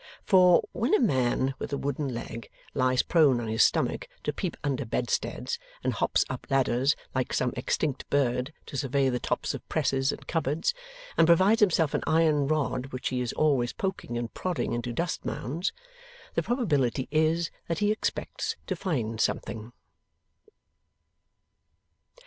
For, when a man with a wooden leg lies prone on his stomach to peep under bedsteads; and hops up ladders, like some extinct bird, to survey the tops of presses and cupboards; and provides himself an iron rod which he is always poking and prodding into dust mounds; the probability is that he expects to find something.